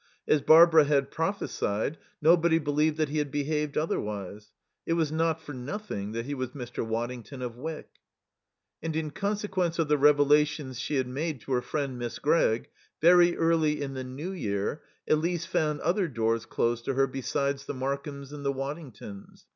As Barbara had prophesied, nobody believed that he had behaved otherwise. It was not for nothing that he was Mr. Waddington of Wyck. And in consequence of the revelations she had made to her friend, Miss Gregg, very early in the New Year Elise found other doors closed to her besides the Markhams' and the Waddingtons'.